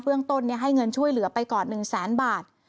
ต้นให้เงินช่วยเหลือไปก่อน๑แสนบาท